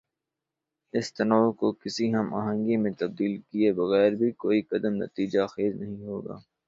اس تنوع کو کسی ہم آہنگی میں تبدیل کیے بغیربھی کوئی قدم نتیجہ خیز نہیں ہو گا۔